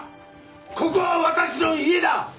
ここは私の家だ！